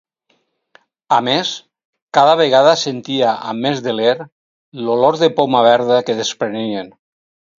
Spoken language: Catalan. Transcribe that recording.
A més, cada vegada sentia amb més deler l'olor de poma verda que desprenien.